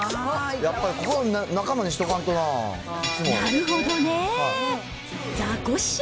やっぱり、ここは仲間にしとかんとな。